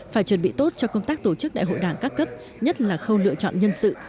phải chuẩn bị tốt cho công tác tổ chức đại hội đảng các cấp nhất là khâu lựa chọn nhân sự